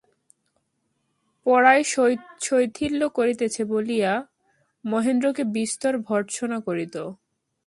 পড়ায় শৈথিল্য করিতেছে বলিয়া সে মহেন্দ্রকে বিস্তর ভর্ৎসনা করিত।